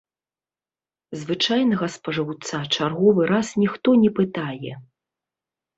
Звычайнага спажыўца чарговы раз ніхто не пытае.